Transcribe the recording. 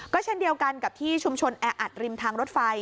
ก็เช่นเดียวกันกับที่ชุมชนแออัดริมทางรถไฟ